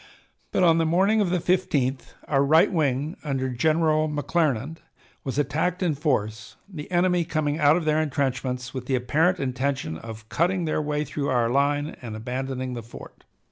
But on the morning of the 15th our right wing under General McClernand was attacked in force, the enemy coming out of their intrenchments with the apparent intention of cutting their way through our line and abandoning the fort.